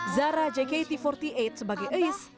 zara jkt empat puluh delapan sebagai ace